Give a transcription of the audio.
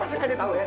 pasang aja tau ya